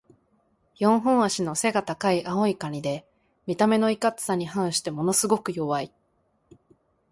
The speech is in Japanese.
四本脚の背が高い青いカニで、見た目のいかつさに反してものすごく弱い。